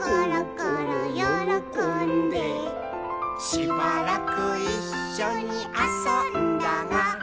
「しばらくいっしょにあそんだが」